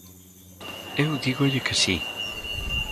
Eu dígolle que si.